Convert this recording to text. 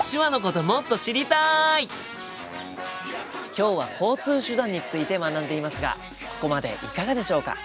今日は交通手段について学んでいますがここまでいかがでしょうか？